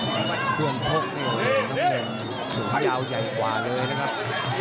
เพื่อนโชคให้โหลดส่วนพยาวใหญ่กว่าเลยนะครับ